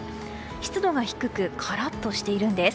湿度が低くカラッとしているんです。